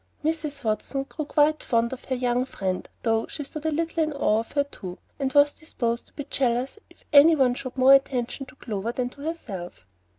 Mrs. Watson grew quite fond of her "young friend," though she stood a little in awe of her too, and was disposed to be jealous if any one showed more attention to Clover than to herself.